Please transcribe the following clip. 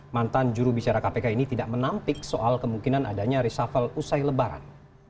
mantan jurubicara kpk ini tidak menampik soal kemungkinan adanya reshuffle usai lebaran